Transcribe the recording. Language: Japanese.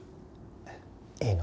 いいの？